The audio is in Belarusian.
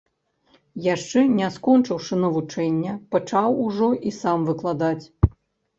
Яшчэ не скончыўшы навучанне, пачаў ужо і сам выкладаць.